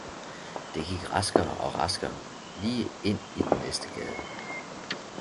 Det gik raskere og raskere lige ind i den næste gade.